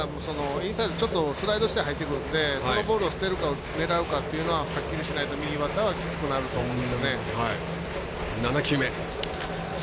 インサイドちょっとスライドして入ってくるので、そのボールを狙うか捨てるかをはっきりしないと右バッターはきつくなると思うんですよね。